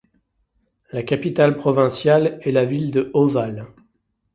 La capitale provinciale est la ville de Ovalle.